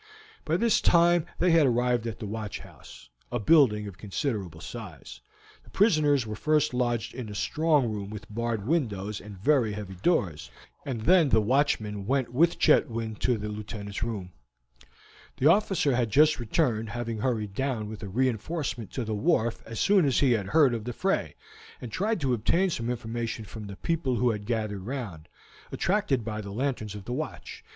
By this time they had arrived at the watch house, a building of considerable size; the prisoners were first lodged in a strong room with barred windows and very heavy doors, and then the watchman went with Chetwynd to the Lieutenant's room. The officer had just returned, having hurried down with a reinforcement to the wharf as soon as he had heard of the fray, and tried to obtain some information from the people who had gathered round, attracted by the lanterns of the watch.